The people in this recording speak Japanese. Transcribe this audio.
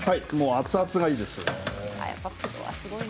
熱々がいいです。